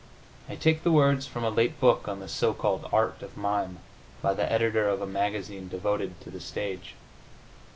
I take the words from a late book on the so called art of the mime by the editor of a magazine devoted to the stage.